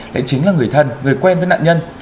lại chính là người thân người quen với nạn nhân